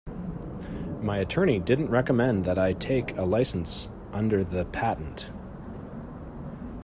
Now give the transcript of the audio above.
My attorney didn't recommend that I take a licence under the patent.